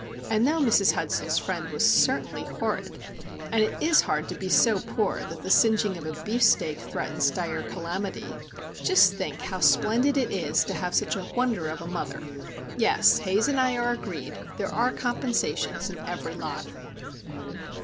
And though Mrs. Hudson's friend was certainly horrid, and it is hard to be so poor that the singeing of a beefsteak threatens dire calamity,—just think how splendid it is to have such a wonder of a mother! Yes, Haze and I are agreed, there are compensations in every lot.